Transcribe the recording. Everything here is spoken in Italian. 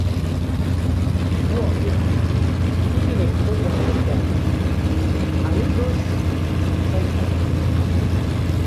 Luogo: studio del programma Bem, Amigos!, San Paolo.